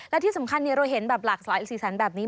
และที่สำคัญเราเห็นแบบหลากสายอีกสีสันแบบนี้